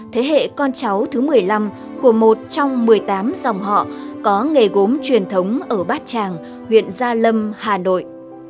thế hệ con cháu thứ một mươi năm của một trong một mươi tám dòng họ có nghề gốm truyền thống ở bát tràng huyện gia lâm hà nội